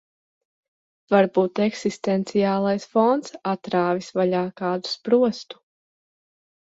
Varbūt eksistenciālais fons atrāvis vaļā kādu sprostu.